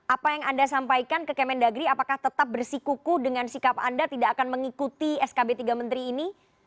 apa yang anda sampaikan ke kemendagri apakah tetap bersikuku dengan sikap anda tidak akan mengikuti skb tiga menteri ini